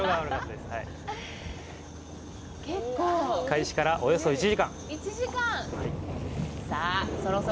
開始からおよそ１時間。